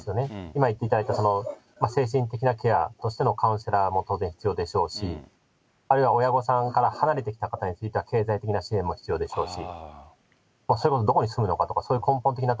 今言っていただいた精神的なケアとしてのカウンセラーも当然必要でしょうし、あるいは親御さんから離れてきた方については、経済的な支援も必要でしょうし。